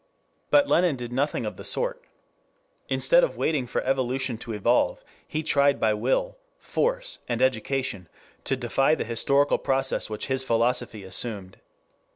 But Lenin did nothing of the sort. Instead of waiting for evolution to evolve, he tried by will, force, and education, to defy the historical process which his philosophy assumed.